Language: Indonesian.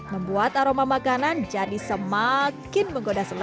membuat aroma makanan jadi semakin menggoda selera